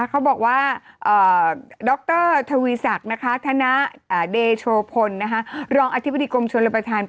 เขาบอกว่าดรทวีศักดิ์นะคะธนเดโชพลรองอธิบดีกรมชนรับประทาน